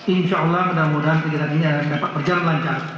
insya allah mudah mudahan kegiatan ini akan berjalan lancar